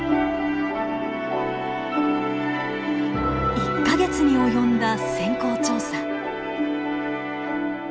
１か月に及んだ潜航調査。